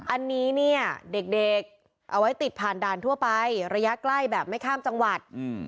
อันนี้เนี่ยเด็กเอาไว้ติดผ่านด่านทั่วไประยะใกล้แบบไม่ข้ามจังหวัด